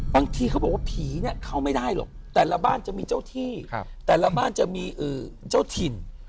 เขาบอกว่าผีเนี่ยเข้าไม่ได้หรอกแต่ละบ้านจะมีเจ้าที่แต่ละบ้านจะมีเจ้าถิ่น